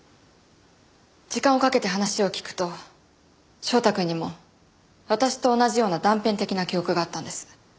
時間をかけて話を聞くと翔太くんにも私と同じような断片的な記憶があったんです。